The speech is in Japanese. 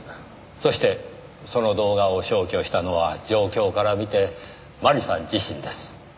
そしてその動画を消去したのは状況から見て麻里さん自身です。